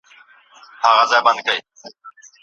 که په لارو کي سیوري وي، نو په دوبي کي پیاده خلګ نه ګرمیږي.